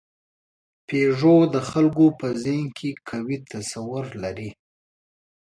پيژو د خلکو په ذهن کې قوي تصور لري.